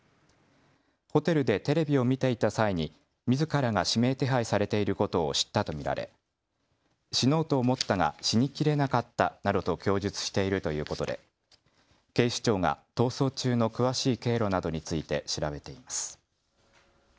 ホテルでテレビを見ていた際にみずからが指名手配されていることを知ったと見られ、死のうと思ったが死にきれなかったなどと供述しているということで警視庁が逃走中の詳しい経路などについて調べています。